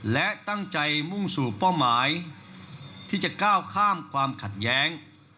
และตั้งใจมุ่งสู่เป้าหมายที่จะก้าวข้ามความขัดแย้ง